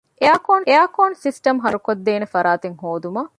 އެއާރކޯން ސިސްޓަމް ހަރުކޮށްދޭނެ ފަރާތެއް ހޯދުމަށް